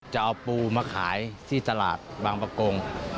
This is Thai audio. จะเอาปูมาขายที่ตลาดบางประกง